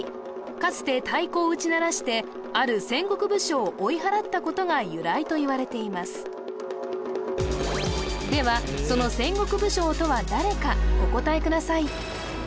かつて太鼓を打ち鳴らしてある戦国武将を追い払ったことが由来といわれていますではその戦国武将とは誰かお答えください